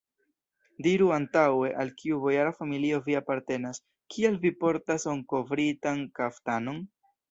Diru antaŭe, al kiu bojara familio vi apartenas, kial vi portas orkovritan kaftanon?